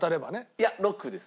いや６です。